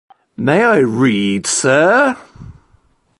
May I read, sir?